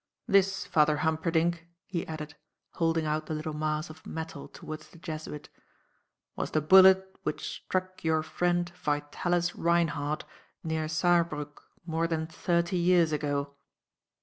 This, Father Humperdinck," he added, holding out the little mass of metal towards the Jesuit, "was the bullet which struck your friend, Vitalis Reinhardt, near Saarbrück more than thirty years ago."